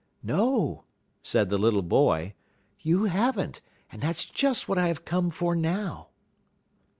"No," said the little boy, "you have n't, and that's just what I have come for now."